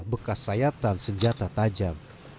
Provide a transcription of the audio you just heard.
bekas sayatan senjata tajam